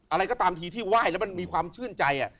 อะไรก็ตามทีที่ไหว้แล้วมันมีความชื่นใจ